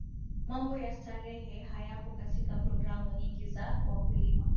mambo ya starehe hayapo katika programu nyingi za wakulima